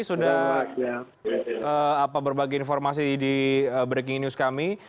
sudah berbagi informasi di breaking news kami